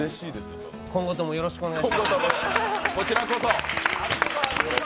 今後ともよろしくお願いします。